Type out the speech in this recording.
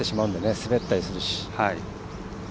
すべったりするし。